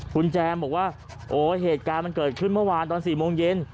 คุณแจมบอกว่าโอ้เหตุการณ์มันเกิดขึ้นเมื่อวานตอน๔โมงเย็น